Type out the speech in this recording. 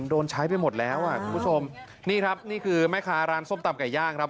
โดนใช้ไปหมดแล้วอ่ะคุณผู้ชมนี่ครับนี่คือแม่ค้าร้านส้มตำไก่ย่างครับ